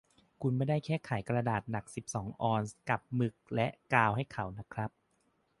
คุณไม่ได้แค่ขายกระดาษหนักสิบสองออนซ์กับหมึกและกาวให้เขานะครับ